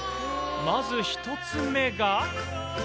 まず１つ目が。